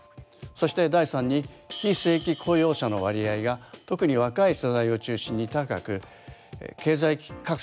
そして第３に非正規雇用者の割合が特に若い世代を中心に高く経済格差を生み出しています。